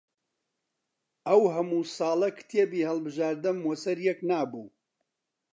ئەو هەموو ساڵە کتێبی هەڵبژاردەم وە سەر یەک نابوو